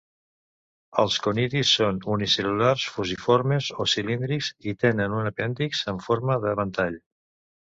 Els conidis són unicel·lulars fusiformes o cilíndrics i tenen un apèndix amb forma de ventall.